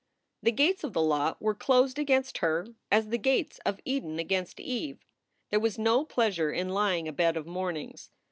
The gates of the "lot" were closed against her as the gates of Eden against Eve. There was no pleasure in lying abed of mornings.